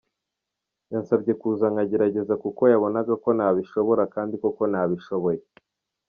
Yansabye kuza nkagerageza kuko yabonaga ko nabishobora kandi koko nabishoboye.